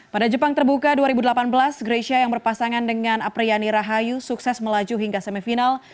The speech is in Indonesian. pada jepang terbuka dua ribu delapan belas greysia yang berpasangan dengan apriyani rahayu sukses melaju hingga semifinal